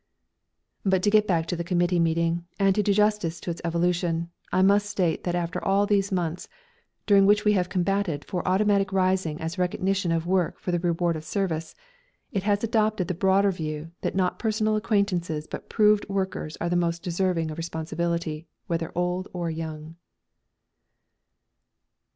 But to get back to the committee meeting, and to do justice to its evolution, I must state that after all these months, during which we have combated for automatic rising as recognition of work for the Reward of Service, it has adopted the broader view that not personal acquaintances but proved workers are most deserving of responsibility, whether old or young.